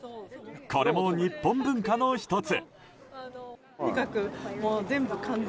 これも日本文化の１つ。